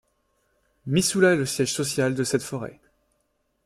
Missoula est le siège social de cette forêt.